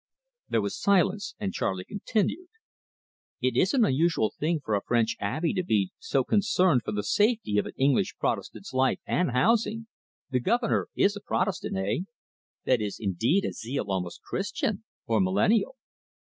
There was silence, and Charley continued. "It is an unusual thing for a French Abbe to be so concerned for the safety of an English Protestant's life and housing... the Governor is a Protestant eh? That is, indeed, a zeal almost Christian or millennial."